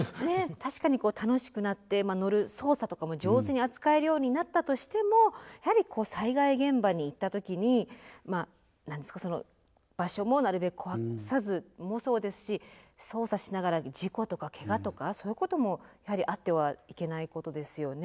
確かにこう楽しくなって乗る操作とかも上手に扱えるようになったとしてもやはり災害現場に行った時に何ですかその場所もなるべく壊さずもそうですし操作しながら事故とかけがとかそういうこともやはりあってはいけないことですよね。